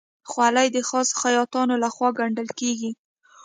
خولۍ د خاصو خیاطانو لهخوا ګنډل کېږي.